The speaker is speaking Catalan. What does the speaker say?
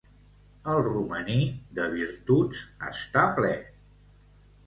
El romaní, de virtuts està ple.